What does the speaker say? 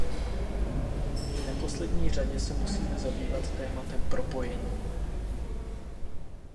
V neposlední řadě se musíme zabývat tématem propojení.